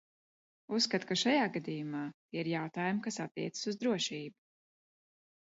Uzskatu, ka šajā gadījumā tie ir jautājumi, kas attiecas uz drošību.